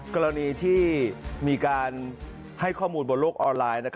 กรณีที่มีการให้ข้อมูลบนโลกออนไลน์